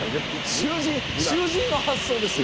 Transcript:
囚人囚人の発想ですよ。